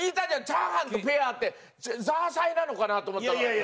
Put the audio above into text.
チャーハンとペアってザーサイなのかなと思ったの。